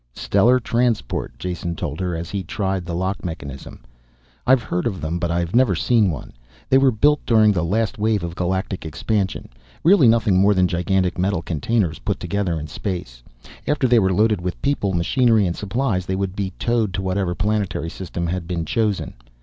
"Stellar Transport," Jason told her, as he tried the lock mechanism. "I've heard of them but I've never seen one. They were built during the last wave of galactic expansion. Really nothing more than gigantic metal containers, put together in space. After they were loaded with people, machinery and supplies, they would be towed to whatever planetary system had been chosen.